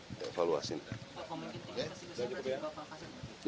pak komite tim investigasinya berarti bapak kasih